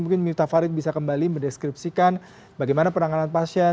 mungkin miftah farid bisa kembali mendeskripsikan bagaimana penanganan pasien